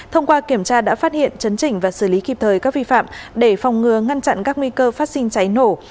thông qua kiểm tra đã phát hiện chấn chỉnh và xử lý kịp thời các vi phạm để phòng ngừa ngăn chặn các nguy cơ phát sinh cháy nổ